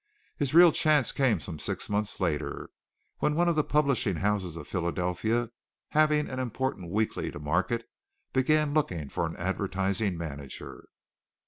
His real chance came some six months later, when one of the publishing houses of Philadelphia having an important weekly to market, began looking for an advertising manager.